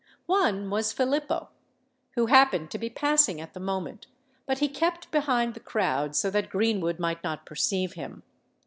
One was Filippo, who happened to be passing at the moment: but he kept behind the crowd, so that Greenwood might not perceive him.